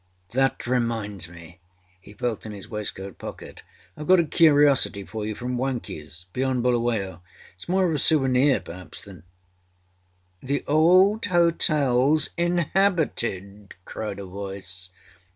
That reminds me,â he felt in his waistcoat pocket, âIâve got a curiosity for you from Wankiesâbeyond Buluwayo. Itâs more of a souvenir perhaps thanâââ âThe old hotelâs inhabited,â cried a voice.